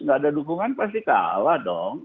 gak ada dukungan pasti kalah dong